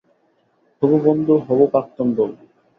হবু বন্ধু, হবু প্রাক্তন বউ।